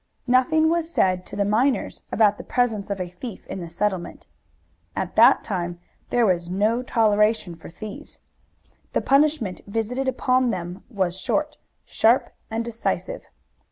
Nothing was said to the miners about the presence of a thief in the settlement. At that time there was no toleration for thieves. The punishment visited upon them was short, sharp and decisive.